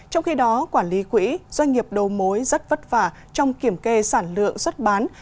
trong khi đó quản lý quỹ doanh nghiệp đầu mối rất vất vả trong kiểm kê sản lượng xuất bán